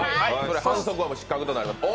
反則は失格となりますので。